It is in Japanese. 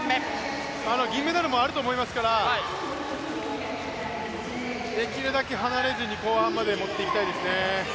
銀メダルもあると思いますから、できるだけ離れずに後半まで持っていきたいですね。